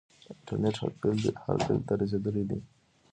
انټرنیټ هر کلي ته رسیدلی دی.